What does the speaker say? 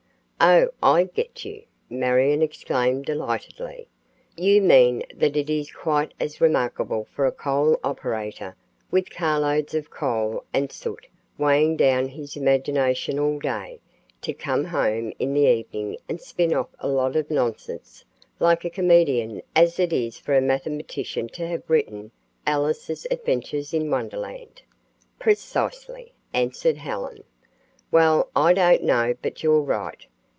"Oh, I get you," Marion exclaimed delightedly. "You mean that it is quite as remarkable for a coal operator, with carloads of coal and soot weighing down his imagination all day, to come home in the evening and spin off a lot of nonsense like a comedian as it is for a mathematician to have written 'Alice's Adventures in Wonderland'." "Precisely," answered Helen. "Well, I don't know but you're right.